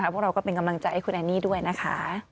พวกเราก็เป็นกำลังใจให้คุณแอนนี่ด้วยนะคะ